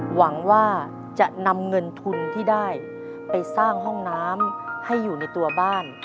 หวังว่าจะนำเงินทุนที่ได้ไปสร้างห้องน้ำให้อยู่ในตัวบ้าน